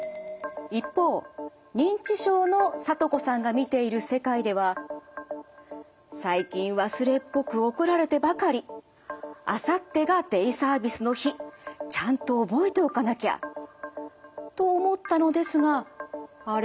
一方認知症のさとこさんが見ている世界では「最近忘れっぽく怒られてばかり。あさってがデイサービスの日。ちゃんと覚えておかなきゃ」と思ったのですが「あれ？